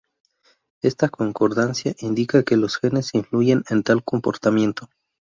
Esta concordancia indica que los genes influyen en tal comportamiento.